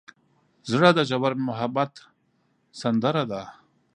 زړه د ژور محبت سندره ده.